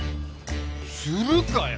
するかよ！